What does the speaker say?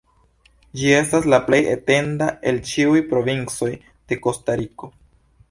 Ĝi estas la plej etenda el ĉiuj provincoj de Kostariko.